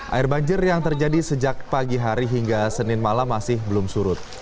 air banjir yang terjadi sejak pagi hari hingga senin malam masih belum surut